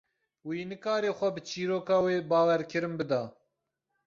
Wî nikarî xwe bi çîroka wê bawerkirin bida.